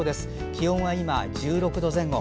気温は今１６度前後。